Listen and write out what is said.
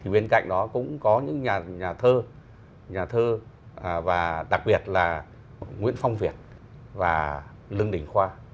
bên cạnh đó cũng có những nhà thơ và đặc biệt là nguyễn phong việt và lương đình khoa